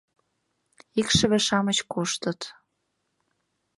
Икшыве-шамыч коштыт